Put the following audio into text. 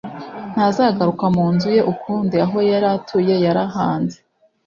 Ntazagaruka mu nzu ye ukundi aho yari atuye yarahanze